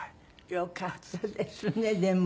よかったですねでも。